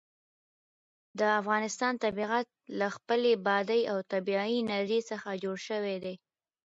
د افغانستان طبیعت له خپلې بادي او طبیعي انرژي څخه جوړ شوی دی.